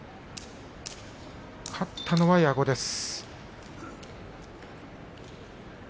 勝ったのは矢後です。